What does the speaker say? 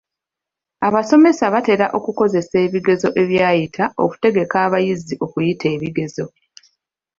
Abasomesa batera okukozesa ebigezo ebyayita okutegeka abayizi okuyita ebigezo.